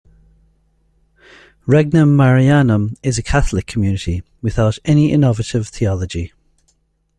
Regnum Marianum is a Catholic community, without any innovative theology.